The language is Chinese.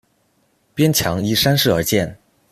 边墙依山势而建。